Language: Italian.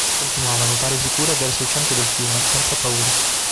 Continuava a nuotare sicura verso il centro del fiume, senza paura.